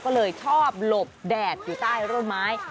ก็เลยชอบหลบแดดอยู่ใต้ร่มไม้